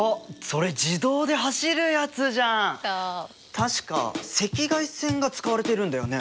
確か赤外線が使われてるんだよね？